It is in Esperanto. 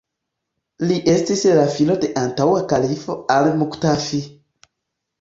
Li estis la filo de antaŭa kalifo al-Muktafi.